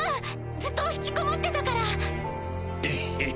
ずっと引きこもってたから。へへっ。